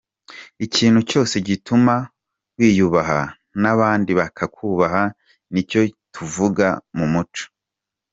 Ikintu cyose gituma wiyubaha n’abandi bakakubaha ni cyo tuvuga mu muco.